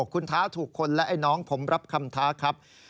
คุณท้าถูกคนและไอ้น้องผมรับคำท้าครับ